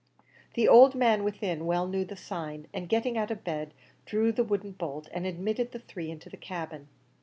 The old man within well knew the sign, and, getting out of bed, drew the wooden bolt, and admitted the three into the cabin.